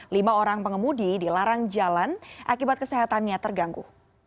lima orang pengemudi dilarang jalan akibat kesehatannya terganggu